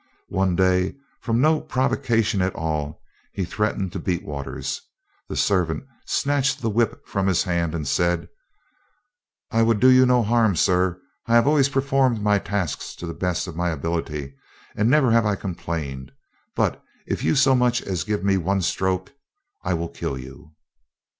One day, from no provocation at all, he threatened to beat Waters. The servant snatched the whip from his hand and said: "I would do you no harm, sir. I have always performed my tasks to the best of my ability, and never have I complained; but if you so much as give me one stroke, I will kill you."